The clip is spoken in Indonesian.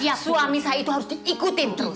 ya suami saya itu harus diikutin terus